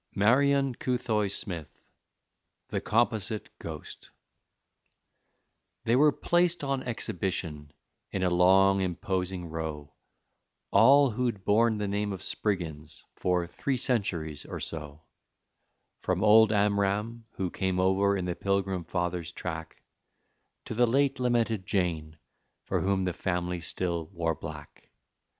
MARION COUTHOUY SMITH THE COMPOSITE GHOST They were placed on exhibition, in a long, imposing row, All who'd borne the name of Spriggins for three centuries or so; From old Amram, who came over in the Pilgrim Fathers' track, To the late lamented Jane, for whom the family still wore black.